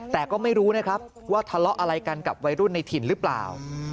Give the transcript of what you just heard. แต่ก็ไม่รู้นะครับว่าทะเลาะอะไรกันกับวัยรุ่นในถิ่นหรือเปล่า